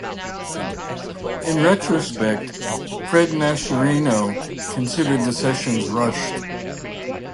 In retrospect, Fred Mascherino considered the sessions rushed.